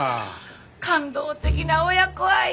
感動的な親子愛や。